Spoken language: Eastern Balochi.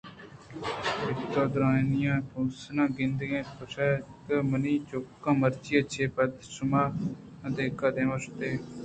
پتءَ دوئینانان ءَ بوٛسان ءَ کند اِت ءُ گوٛشت منی چُکّاں مرچی ءَ چہ پد کہ شُما آدٛینک ءِ دیما اوشتے